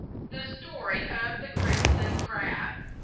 THE STORY OF THE CRIMSON CRAB.